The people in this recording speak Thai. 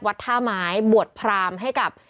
ท่าไม้บวชพรามให้กับ